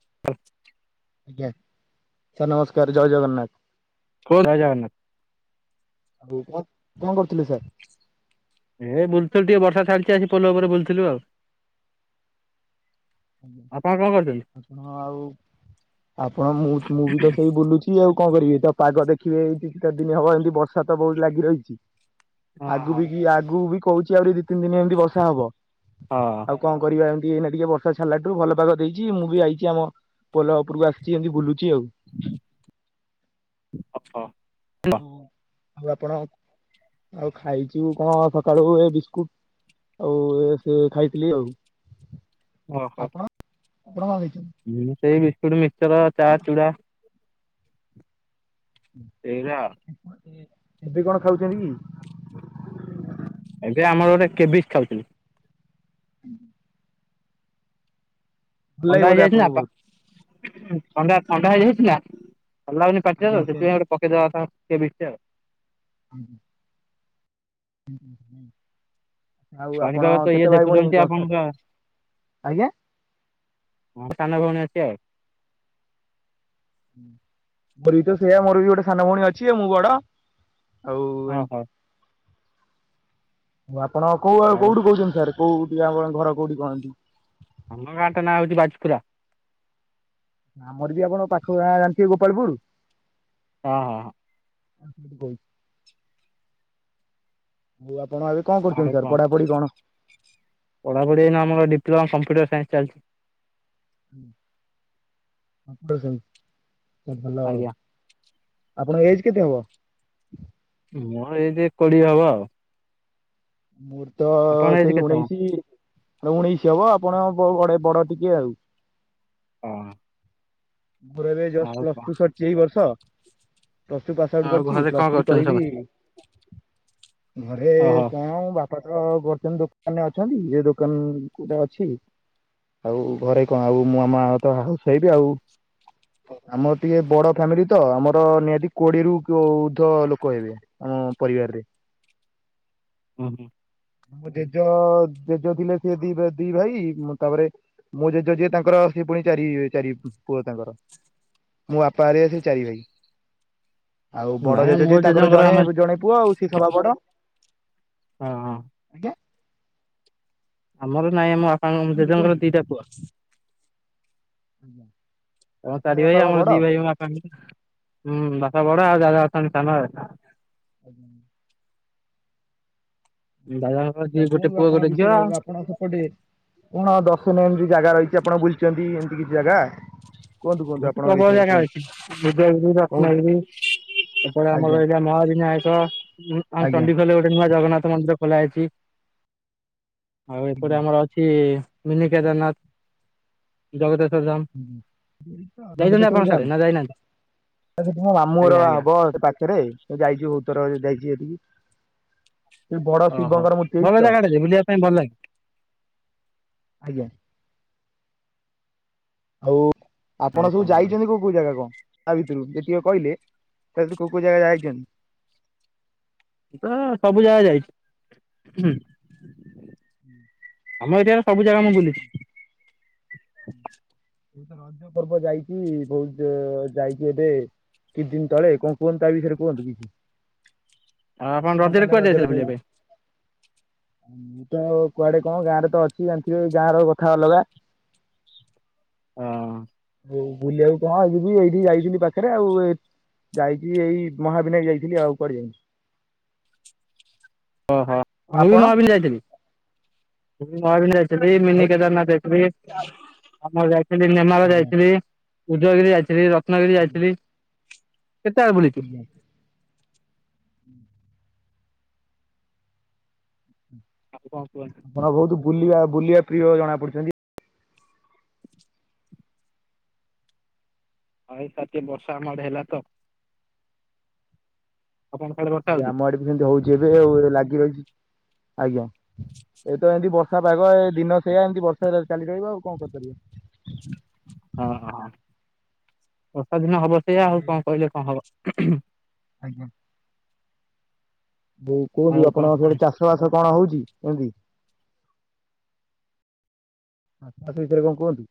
[inaudible] ଆଜ୍ଞା। ସାର୍ ନମସ୍କାର ଜୟ ଜଗନ୍ନାଥ। [unintelligible] କଣ କରୁଥିଲେ ସାର୍? ଏ ବୁଲୁଥିଲୁ ଟିକେ ବର୍ଷା ଛାଡିଚି ଆସି ପୋଲ ଉପରେ ବୁଲୁଥିଲୁ ଆଉ। ଆପଣ କଣ କରୁଛନ୍ତି? ଆଜ୍ଞା। ଆପଣ ଆଉ ଆପଣ ମୁଁ ମୁଁ ବି ତ ସେଇ ବୁଲୁଚି। ସିଏ ଆଉ କଣ କରିବେ। ତ ପାଗ ଦେଖିବେ ଏଇ କିଛି ଟା ଦିନି ହବ ଏମିତି ବର୍ଷା ତ ବହୁତ ଲାଗି ରହିଚି। ହଁ ଆଗକୁ ହଁ ବି କି ଆଗକୁ ବି କହୁଚି ଆହୁରି ଦି ତିନି ଦିନି ଏମତି ବର୍ଷା ହବ। ହଁ। ଆଉ କଣ କରିବା ଏମିତି ଏଇନେ ଟିକେ ବ ବର୍ଷା ଛାଡିଲାଠୁ ଭଲ ପାଗ ଦେଇଚି ମୁଁ ବି ଆଇଚି ଆମ ପୋଲ ଉପରକୁ ଆସିଚି ଏମିତି ବୁଲୁଚି ଆଉ। [unintelligible] ଆଉ ଆଉ ଆପଣ ଆଉ ଖାଇଚୁ କଣ ସକାଳୁ ଏ ବିସ୍କୁଟ୍ ଆଉ ସେ ଖାଇଥିଲି ଆଉ। ଓହୋ। ଆପଣ ଆପଣ କଣ ଖାଇଛନ୍ତି? ମୁଁ ସେଇ ବିସ୍କୁଟ ମିକ୍ସଚର ଚା ଚୁଡା। ସେଇରା। ଏବେ କଣ ଖାଉଛନ୍ତି କି? ଏବେ ଆମର ଗୋଟେ କେବିସ୍ ଖାଉଥିଲି। [inaudible] ଭଲ ଲାଗେ ଥଣ୍ଡା ବୋଧେ ହେଇଯାଇଥିଲା। ଆପଣଙ୍କୁ ବହୁତ? ଥଣ୍ଡା ଥଣ୍ଡା ହେଇଯାଇଥିଲା। ଭଲ ଲାଗୁନି ପାଟି ଟା ଆଜ୍ଞା ତ ସେମିତି। ସେଥିପାଇଁ ଟିକେ ପକେଇଦବା କଥା କେବିସ୍ ଆଉ। ଆଜ୍ଞା। [unintelligible] ଆଉ ଆପଣ ପାଣିପାଗ ତ ଇଏ କେତେ ଭାଇ ଭଉଣୀ ଦେଖୁଛନ୍ତି କଣ ସାର୍? ଆପଣଙ୍କ ଆଜ୍ଞା। ମୋର ସାନ ଭଉଣୀ ଅଛି ଆଉ। ମୋର ବି ତ ସେଇୟା ମୋର ବି ଗୋଟେ ସାନ ଭଉଣୀ ଅଛି ମୁଁ ବଡ। ଆଉ ଏମ୍ ଓହୋ। ଆଉ ଆପଣ କୋଉ ଆଉ କୋଉଠି କହୁଛନ୍ତି ସାର୍ କୋଉଠି ଆମ ଘର କୋଉଠି କହନ୍ତି? ଆମ ଗାଁ ଟା ନାଁ ହଉଚି ବାଜପୁରା। ଆମର ବି ଆପଣ ପାଖ ଗାଁ ଜାଣିଥିବେ ଗୋପାଳପୁର। ହଁ ହଁ। [unintelligible] ହଉ ଆପଣ ଏବେ କଣ କରୁଛନ୍ତି? ଆଉ ସାର୍ କଣ ପଢାପଢି କଣ? ପଢାପଢି ଏଇନା ଆମର ଡିପ୍ଲୋମା କମ୍ପୁଟର ସାଇନ୍ସ ଚାଲିଛି। ଭଲ ଆଉ। ଆଜ୍ଞା। ଆପଣଙ୍କ ଏଜ୍ କେତେ ହବ? ମୋର ଏଜେ କୋଡିଏ ହବ ଆଉ। ମୋର ତ ଆପଣ ଏଜ୍ ସେଇ କେତେ ହବ? ଉଣେଇଶି ଉଣେଇଶି ହବ ଆପଣ ବଡେ ବଡ ଟିକେ ଆଉ। ହଁ। ମୋର ଏବେ ଜଷ୍ଟ ଆଉ ପ୍ଲସ କଣ ଟୁ ସରିଛି। ଏଇ ବର୍ଷ। ପ୍ଲସ୍ ଟୁ ପାସ୍ ଆଉଟ୍ ଆଉ କରିଛି। ଘରେ କଣ ପ୍ଲସ୍ ଥ୍ରୀ କରୁଛନ୍ତି କରିବି ସମସ୍ତେ? ଘରେ ଓହୋ ହଁ ବାପା ତ ବର୍ତନ ଦୋକାନରେ ଅଛନ୍ତି ଏ ଦୋକାନ କୋଉଟା ଅଛି। ଆଉ ଘରେ କଣ ଆଉ ମୋ ମାଁ ତ ତ ହାଉସ ହେଇବି ଆଉ। ଆମର ଟିକେ ବଡ ଫ୍ୟାମିଲି ତ ଆମର ନିହାତି କୋଡିଏରୁ ଉଦ୍ଧ ଲୋକ ହେବେ। ଆମ ପରିବାରରେ ହୁ ହୁ। ମୋ ଜେଜ ଜେଜ ଥିଲେ ସେ ଦି ଦି ଭାଇ। ମୁଁ ତାପରେ ମୁଁ ଜେଜେ ଯିଏ ତାଙ୍କର ସିଏ ପୁଣି ଚାରି ଚାରି ପୁଅ ତାଙ୍କର। ମୋ ବାପା ହେରିକା ସେ ଚାରି ଭାଇ। ଆଉ ବଡ ନାଇଁ ମୋ ଜେଜେଯେ ତାଙ୍କର ଜେଜେଙ୍କର ଜଣେ ଆମେ ଜଣେ ପୁଅ ଆଉ ସିଏ ସବା ବଡ। ହଁ ହଁ। ଆଜ୍ଞା। ଆମର ନାଇଁ ଆମ ବାପାଙ୍କ କୁହନ୍ତୁ ଜେଜେଙ୍କର କୁହନ୍ତୁ ଦିଟା ପୁଅ। ତମ ଆପଣଙ୍କ ଚାରି ବାପା ଭାଇ କଣ ଆମର ଦି ବଡ? ଭାଇ ବାପା ହୁଁ ବାପା ବଡ ଆଉ ଦାଦା ଅଛନ୍ତି ସାନ ଆଉ। ଦାଦାଙ୍କର ଦି କଣ ଗୋଟେ କୁହନ୍ତୁ ପୁଅ ଆପଣଙ୍କ ଗୋଟେ ଝିଅ ବିଷୟରେ ଆଉ ଆପଣ ସେପଟେ କଣ ଦର୍ଶନ ଏମିତି ଜାଗା ରହିଛି ଆପଣ ବୁଲିଛନ୍ତି ଏମିତି କିଛି ଜାଗା। କୁହନ୍ତୁ କୁହନ୍ତୁ ବତ ଆପଣଙ୍କ ପ୍ରବଳ ବିଷୟରେ ଜାଗା କୁହନ୍ତୁ ଅଛି ବିଦଗିରି କହୁନ ରତ୍ଣଗିରି। ସେପଟ ଆଜ୍ଞା ଆମର ଏଇଟା ମହାବୟକ ଆଜ୍ଞା। ଚଣ୍ଡିଗଲ ଗୋଟେ ନୂଆ ଜଗନ୍ନାଥ ମନ୍ଦିର ଖୋଲା ହେଇଛି ଆଉ ଏପଟ ଆମର ସେ ମିନି କେଦାରନାଥ ଜଗତେଶ୍ୱର ଧାମ। ହୁଁ ହୁଁ। ଯାଇଛନ୍ତି ଆପଣ ଜଗତେଶ୍ଵର ସାଡେ ଯାମ୍ ନା ଯାଇନାହାନ୍ତି ତ ମାମୁଁ ଆଜ୍ଞା ଘର ଆଜ୍ଞା ହବ ସେ ପାଖରେ ଯାଇଛିୁ ବହୁତଥର ଯାଇଛି ସେଠକି। ସେ ବଡ ଓହୋ ଶିବଙ୍କର ମୂତ୍ତି ଭଲ ଅଛିତ ଜାଗାଟା ଯେ ବୁଲିବା ପାଇଁ ଭଲ ଲାଗେ ଆଜ୍ଞା। ଆଉ ଆପଣ ଆଉ ସବୁ କଣ କୁହନ୍ତୁ। ଯାଇଛନ୍ତି। କୋଉ କୋଉ ଜାଗା କଣ? ତା ଭିତରୁ ଯେତିକି କହିଲେ ସେ କୋଉ କୋଉ ଜାଗା ଯାଇଛନ୍ତି? ତ ସବୁ ଜାଗା ଯାଇଛି। ଆମ ଏରିଆରେ ସବୁ ଜାଗା ମୁଁ ବୁଲିଛି। ବ ରଜ ପର୍ବ ଯାଇଛି ବହୁତ ଯାଇଛି ଏବେ କିଛି ଦିନ ତଳେ କଣ କୁହନ୍ତୁ ତା ବିଷୟରେ କୁହନ୍ତୁ କିଛି। ଆଉ ଆପଣ କଣ ରଜରେ କଲେ କୁଆଡେ ଯାଇଥିଲେ ରଜେରେ ବୁଲିବା ସବୁ? ପାଇଁ? ମୁଁ ତ କୁଆଡେ କଣ ଗାଁରେ ତ ଅଛି ଯୋଥିବ ଗାଁ ର କଥା ଅଲଗା। ଅ। ଉ ବୁଲିବାକୁ କଣ ଏ ଯିବ ଏଇଠି ଯାଇଥିଲି ପାଖରେ ଆଉ। ଯାଇଛି ଏଇ ମହାବିନାୟ ଯାଇଥିଲି ଆଉ କୁଆଡେ ଯାଇନି। ଓହୋ ଆଉ ମୁଁ ବି ଆପଣ? ମହାବିନି ଯାଇଥିଲି। ମୁଁ ମହାବିନି ଯାଇ ସେଠି ମିନି ଆଉ କେଦାରନାଥ ଯାଇଥିଲି। ଆମର ଯାଇଥିଲି ନେମାଳ ଆଜ୍ଞା ଯାଇଥିଲି। ଉଦୟଗିରି ଯାଇଥିଲି ରତ୍ନଗିରି ଆଜ୍ଞା ଯାଇଥିଲି। କେତେବେଳେ ବୁଲି। ହୁଁ। ହୁଁ। ଆଉ କଣ କୁହ? ଆପଣ ବହୁତ ବୁଲିବା ବୁଲିବା ପ୍ରିୟ ଜଣା ପଡିଛନ୍ତି। ଆ ଏଇପାଖି ବର୍ଷା ଆମ ଆଡେ ହେଲା ତ? ଆପଣଙ୍କ ସାଡେ ବର୍ଷା ବି ହଉଛି? ଆମ ଆଡେ ବି ସେମିତି ହୋଉଛି ଏବେ ଆଉ ଲାଗି ରହିଛି। ଆଜ୍ଞା ଏ ତ ଏମିତି ବ ବର୍ଷା ପାଗ ଏଇ ଦିନ ସେୟା। ଏମିତି ବର୍ଷା ଚାଲି ରହିବ ଆଉ କଣ କରିପାରିବା। ହଁ ହଁ ବର୍ଷା ଦିନ ହବ ସେଇୟା ଆଉ କଣ କହିଲେ କଣ ହବ। ହଁ ଆଜ୍ଞା। ବୋଉ କୁହନ୍ତୁ ଆଉ କଣ ଆପଣଙ୍କ ସିଆଡେ କଣ ଚାଷ ବାସ କଣ ହଉଛି? କୁହନ୍ତି ଭିତରେ କଣ କୁହନ୍ତିୁ?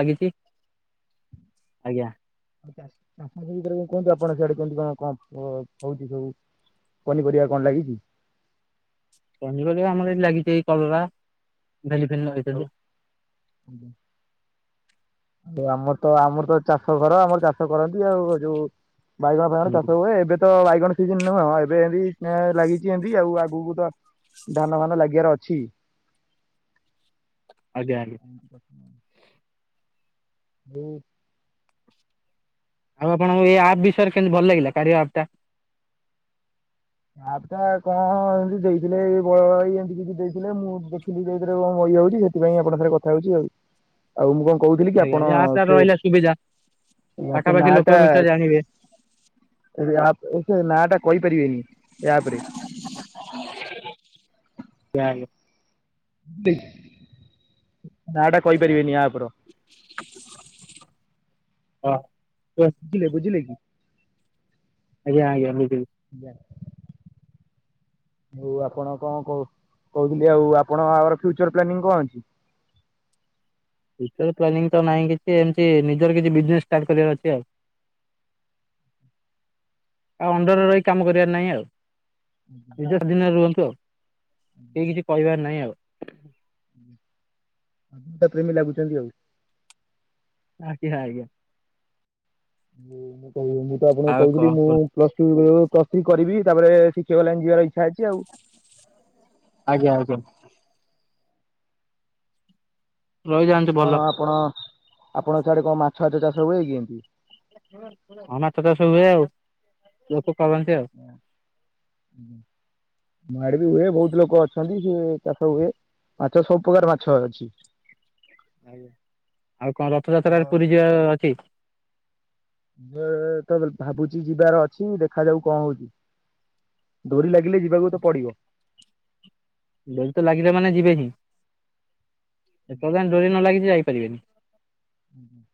ବା କିିଛି? ଆଜ୍ଞା। ଚାଷ ଭିତରେ କୁହନ୍ତୁ ଆପଣ ସେଆଡେ କେମିତି କଣ କଣ ହଉଛି ସବୁ? ପନିପରିବା କଣ ଲାଗିଛି? ପନିପରିବା ଆମର ଏ ଲାଗିଛି ଏଇ କଲରା ଭେଣ୍ଡି ଫେଣ୍ଡି ଆଉ ଲଗେଇଛନ୍ତି। ଆଜ୍ଞା। ଆଉ ଆମର ତ ଆମର ତ ଚାଷ କର ଆମର ତ ଚାଷ କରନ୍ତି ଆଉ। ଯୋଉ ବାଇଗଣ ଫାଇଗଣ ହୁଁ। ଚାଷ ହୁଏ। ଏବେ ତ ବାଇଗଣ ସିଜିନ ନୁହଁ। ଏବେ ଏମିତି ଲାଗିଛି ଏମିତି ଆଉ ଆଗକୁ ତ ଧାନ ଫାନ ଲାଗିବାର ଅଛି। ଆଜ୍ଞା ଆଜ୍ଞା। [unintelligible] ବୋଉ। ଆଉ ଆପଣଙ୍କୁ ଏ ଆପ୍ ବିଷୟରେ କେମିତି ଭଲ ଲାଗିଲା କାରିଆ ଆପ୍ ଟା? ଆପ୍ କଣ ଏମିତି ଦେଇଥିଲେ ଏଇ ବଳିଆ ଭାଇ ଏମିତି କିଛି ଦେଇଥିଲେ ମୁଁ ଦେଖିଲି ଦେଇଥିଲେ। ମଇ ହଉଛି ସେଠି ସେଥିପାଇଁ ଆପଣଙ୍କ ରେ କଥା ହଉଛି ଆଉ। ଆଉ ମୁଁ କଣ କହୁଥିଲି କି ଆଜ୍ଞା ଆପଣ ଏ ଆପ୍ ଟା ସେ ରହିଲା ସୁବିଧା ସେ ନା ପାଖାପାଖି ଟା ଲୋକଙ୍କ ବିଷୟରେ ଜାଣିବେ ସେ ନା ଟା କହିପାରିବେନି? ଏହା ପରେ [unintelligible] ନାଁ ଟା କହିପାରିବିନି ଆପ୍ ର। ହଁ କୁହ? ବୁଝିଲେ ବୁଝିଲେ କି? ଆଜ୍ଞା ଆଜ୍ଞା ବୁଝିଲି। ଆଜ୍ଞା। ହଉ ଆପଣ କଣ କ କହୁଥିଲି ଆଉ ଆପଣ ଆମର ଫ୍ୟୁଚର ପ୍ଲାନିଂ କଣ ଅଛି? ଫ୍ୟୁଚର ପ୍ଲାନିଂ ତ ନାହିଁ କିଛି। ଏମିତି ନିଜର କିଛି ବିଜେନେସ୍ ଷ୍ଟାର୍ଟ କରିବାର ଅଛି ଆଉ। ଆଉ ଅଣ୍ଡରରେ ରହି କାମ କରିବାର ନାହିଁ ଆଉ। ନିଜ ଅଧୀନରେ ରୁହନ୍ତୁ ଆଉ, କେହି କିଛି କହିବାର ନାହିଁ ଆଉ। [inaudible] ପ୍ରେମୀ ଲାଗୁଛନ୍ତି ଆଉ। ଆଜ୍ଞା, ଆଜ୍ଞା। ମୁଁ ମୁଁ ତ ଏ ମୁଁ ତ ଆପଣଙ୍କୁ ଆଉ କଣ କହିଥିଲି ମୁଁ କୁହନ୍ତୁ ପ୍ଲସ୍ ଟୁ [unintelligible] ପ୍ଲସ୍ ଥ୍ରୀ କରିବି ତାପରେ ଶିକ୍ଷିକ ଲାଇନ୍ ଯିବାର ଇଚ୍ଛା ଅଛି ଆଉ। ଆଜ୍ଞା, ଆଜ୍ଞା। ରହିଯାଆନ୍ତୁ ଭଲ ହଁ ଆପଣ ଆପଣ ସାଡେ କଣ ମାଛ ଫାଛ ଚାଷ ହୁଏ କି ଏମତି? ହଁ ମାଛ ଚାଷ ହୁଏ ଆଉ, ଲୋକ କରନ୍ତି ଆଉ। [inaudible] ମୋ ଆଡେ ବି ହୁଏ ବହୁତ ଲୋକ ଅଛନ୍ତି ସିଏ ଚାଷ ହୁଏ। ମାଛ ସବୁପ୍ରକାର ମାଛ ଅଛି। ଆଉ କଣ ରଥଯାତ୍ରାରେ ପୁରୀ ଯିବାର ଅଛି? ଯେ ତେବଲ୍ ଭାବୁଚି ଯିବାର ଅଛି ଦେଖା ଯାଉ କଣ ହଉଚି। ଡୋରି ଲାଗିଲେ ଯିବାକୁ ତ ପଡିବ। ଡୋରି ତ ଲାଗିଲା ମାନେ ଯିବେ ହିଁ, ଯେତଳ ଯାଏଁ ଡୋରି ନ ଲାଗିଛି ଯାଇପାରିବେନି। ହଁ, ହଁ।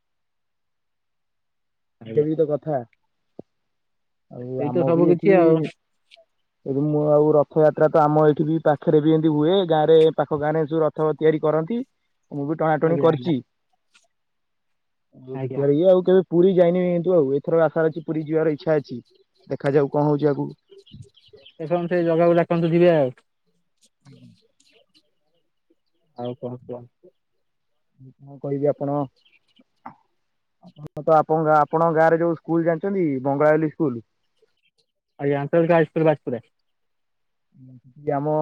[unintelligible] ଆଜ୍ଞା। ତ କଥା ଆଉ ସେଇ ତ ଆମ ବି ସବୁ କିଛି ଏଠି ଆଉ ଏଠି ମୁଁ ଆଉ ରଥଯାତ୍ରା ତ ଆମ ଏଇଠି ବି ପାଖରେ ବି ଏମିତି ହୁଏ, ଗାଁ ରେ ଏ ପାଖ ଗାଁରେ ସବୁ ର ଥ ତିଆରି କରନ୍ତି, ମୁଁ ବି ଟଣା ଟଣି ଆଜ୍ଞା ଆଜ୍ଞା କରିଚି। ମୁଁ ଆଜ୍ଞା ସେଥିରେ ଇଏ ଆଉ କେବେ ପୁରୀ ଯାଇନି କିନ୍ତୁ ଆଉ ଏ ଏଥର ଆଶା ଅଛି ପୁରୀ ଯିବାର ଇଚ୍ଛା ଅଛି ଦେଖାଯାଉ କଣ ହଉଛି ଆଗୁକୁ। ଏ ସମସ୍ତେ ଜଗାକୁ ଡାକନ୍ତୁ ଯିବେ ଆଉ। [inaudible] ଆଉ କଣ କୁହନ୍ତୁ? ମୁଁ କଣ କହିବି ଆପଣ ହଁ ତ ଆପଣ ଗାଁ ଆପଣଙ୍କ ଗାଁରେ ଯୋଉ ସ୍କୁଲ୍ ଜାଣିଛନ୍ତି ବଙ୍ଗଳାଲି ସ୍କୁଲୁ? ଆଜ୍ଞା [unintelligible] [inaudible] ଆମ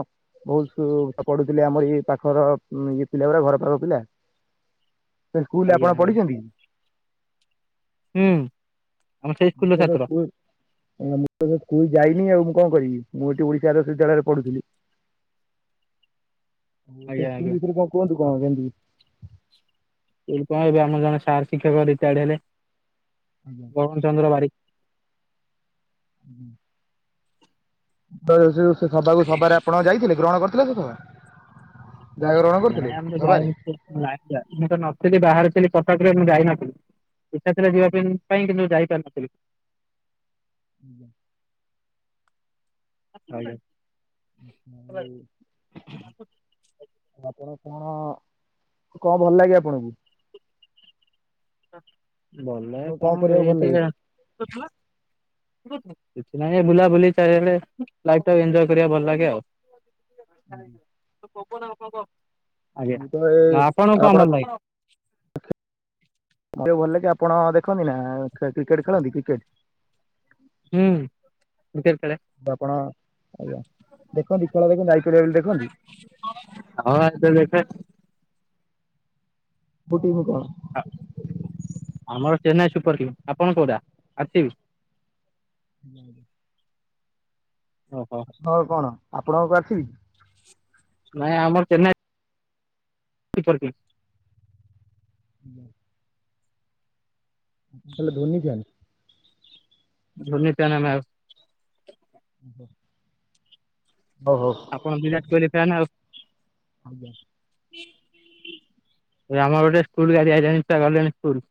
ମୋ ସ୍କୁ ତ ପଢୁଥିଲେ ଆମର ଇ ପାଖର ଉଁ, ଇଏ ପିଲା ଗୁଡା ଘର ପାଖ ପିଲା। ସେ ସ୍କୁଲ୍ ରେ ଆଜ୍ଞା ଆପଣ ଆଜ୍ଞା ପଢିଚନ୍ତି କି? ହୁଁ। ଆମ ସେଇ ଉଁ, ସ୍କୁଲର ସେଟା ଛାତ୍ର ସ୍କୁଲ୍ ଏ ଆମ ତ ମୁଁ ସ୍କୁଲ୍ ଯାଇନି ଆଉ ମୁଁ କଣ କରିବି, ମୁଁ ଏଠି ଓଡ଼ିଶାର [inaudible] ବିଦ୍ୟାଳୟରେ ପଢୁଥିଲି। ଓ, ସେ ଆଜ୍ଞା ସ୍କୁଲ୍ ଆଜ୍ଞା ଭିତରେ ରେ କଣ କୁହନ୍ତୁ କଣ କେମିତି? ମୁଁ କହିଲି କଣ ଏବେ ଆମର ଜଣେ ସାର୍ ଶିକ୍ଷକ ରିଟାର୍ଡ ହେଲେ, ଆଜ୍ଞା। ବରୁଣ ଚନ୍ଦ୍ର ବାରିକ ହୁଁ। ତ ଯେ ସେ ଯୋଉ ସେ ସଭାକୁ ସଭାରେ ଆପଣ ଯାଇଥିଲେ ଗ୍ରହଣ କରିଥିଲେ ସେ ସଭା? ଯାହା ଗ୍ରହଣ ନାଇଁ କରିଥିଲେ ଆମେ ସେ ସଭାରେ? ଯାଇନୁ ତ ନାଇଁ ଆଜ୍ଞା ମୁଁ ତ ନଥିଲି ବାହାରେ ଥିଲି, କଟକରେ ମୁଁ ଯାଇନଥିଲି, ଇଚ୍ଛା ଥିଲା ଯିବା ଆଜ୍ଞା ପାଇଁ ପାଇଁ କିନ୍ତୁ ଯାଇପାରିନଥିଲି। ଆଜ୍ଞା। ଆଉ [unintelligible] ତ ଆପଣ କଣ, କଣ ଭଲ ଲାଗେ ଆପଣଙ୍କୁ? ଭଲ ଲାଗେ ଆପଣଙ୍କୁ କଣ କରିବାକୁ ଭଲ ଲାଗେ? ଏଇଠିକା କିଛି ନାାଇଁ ବୁଲା ବୁଲି ଚାରିଆଡେ ଲାଇଫ୍ ଟାକୁ ଏଞ୍ଜୟ୍ କରିବାକୁ ଭଲ ଲାଗେ ଆଉ। ଆଜ୍ଞା ମୁଁ ତ ଆପଣଙ୍କୁ କଣ ଆପଣ ଭଲ ଲାଗେ? ଭଲକି ଆପଣ ଦେଖନ୍ତି ନା କ୍ରିକେଟ୍ ଖେଳନ୍ତି କ୍ରିକେଟ୍ ହୁଁ କ୍ରିକେଟ୍ ଖେଳେ। ଆପଣ ଆଜ୍ଞା ଦେଖନ୍ତି ଖେଳ ଦେଖନ୍ତି ଆଇପିଏଲ୍ ବି ଦେଖନ୍ତି? ହଁ ଆସ ଦେଖେ? ବୁଟୁ ଭୂତ। ଆମର ଚେନ୍ନାଇ ସୁପର୍ କିଙ୍ଗ୍, ଆପଣ କୋଉଟା ଆର ସି ବି? ହୁଁ। ଅହ। ହଁ କଣ ଆପଣଙ୍କ ଆର୍ ସି ବି? ନାଇଁ ଆମର ଚେନ୍ନାଇ ସୁପର୍ କିଙ୍ଗ୍। ହୁଁ। ତାହେଲେ ଧୋନି ଫ୍ୟାନ୍? ଧୋନି [unintelligible] [unintelligible] ଓହୋ। ଆପଣ ବିରାଟ୍ କୋହଲି ଫ୍ୟାନ୍ ଆଉ। ଆଜ୍ଞା। ଏ ଆମର ଗୋଟେ ସ୍କୁଲ ଗାଡି ଆଇଲାଣି ଛୁଆ ଗଲେଣି ସ୍କୁଲ୍।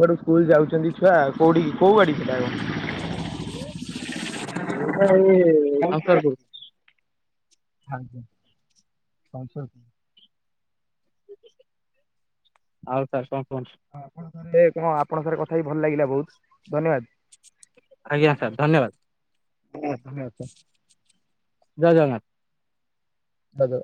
ଘରୁ ସ୍କୁଲ୍ ଯାଉଛନ୍ତି ଛୁଆ କୋଉଠି କୋଉ ଗାଡି ଥିଲା? ଏଟା ଏଇ ସମ୍ସଲପୁର୍। ଖାଉଚି [unintelligible] ହଉ ସାର୍ କଣ କୁହନ୍ତୁ? ହଁ ଆପଣଙ୍କ ସାଙ୍ଗେ ଆପଣ ଙ୍କ ସହ କଥା ହେଇକି ଭଲ ଲାଗିଲା ବହୁତ୍ ଧନ୍ୟବାଦ୍। ଆଜ୍ଞା ସାର୍ ଧନ୍ୟବାଦ୍। ହ ହଁ। ଜୟ ଜଗନ୍ନାଥ୍। ହଉ।